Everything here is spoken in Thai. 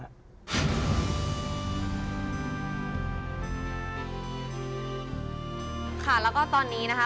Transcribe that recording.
ค่ะแล้วก็ตอนนี้นะคะ